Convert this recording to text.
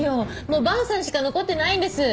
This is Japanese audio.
もう萬さんしか残ってないんです。